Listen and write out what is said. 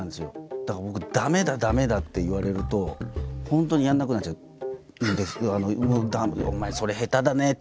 だから僕「駄目だ駄目だ」って言われると本当にやらなくなっちゃうんです。